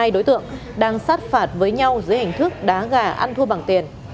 một mươi hai đối tượng đang sát phạt với nhau dưới hình thức đá gà ăn thua bằng tiền